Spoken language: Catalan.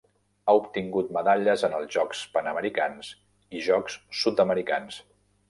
Ha obtingut medalles en els Jocs Panamericans i Jocs Sud-americans.